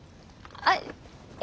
はい。